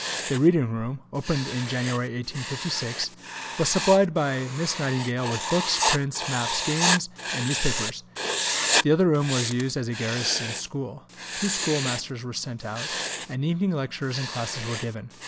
The reading room, opened in January 1856, was supplied by Miss Nightingale with books, prints, maps, games, and newspapers. The other room was used as a garrison school; two schoolmasters were sent out; and evening lectures and classes were given.